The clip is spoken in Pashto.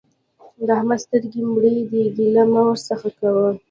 د احمد سترګې مړې دي؛ ګيله مه ورڅخه کوه.